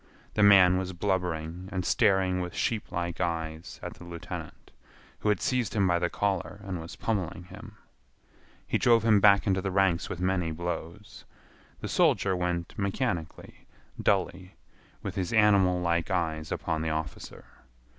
The man was blubbering and staring with sheeplike eyes at the lieutenant, who had seized him by the collar and was pommeling him. He drove him back into the ranks with many blows. The soldier went mechanically, dully, with his animal like eyes upon the officer.